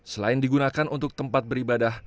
selain digunakan untuk tempat beribadah